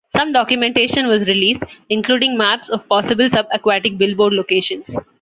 Some documentation was released, including maps of possible sub-aquatic billboard locations.